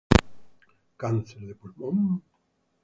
Cáncer de pulmón